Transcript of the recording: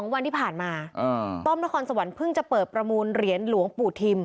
วันที่ผ่านมาต้อมนครสวรรค์เพิ่งจะเปิดประมูลเหรียญหลวงปู่ทิม